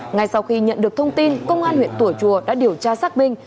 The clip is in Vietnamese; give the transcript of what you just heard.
ngay sau khi nhận được thông tin công an huyện tủa chùa đã điều tra xác minh